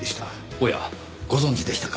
おやご存じでしたか。